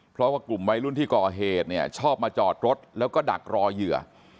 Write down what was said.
เพราะว่ากลุ่มวัยรุ่นที่ก่อเหตุเนี่ยชอบมาจอดรถแล้วก็ดักรอเหยื่อ